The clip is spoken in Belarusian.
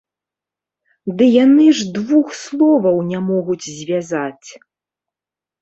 Ды яны ж двух словаў не могуць звязаць!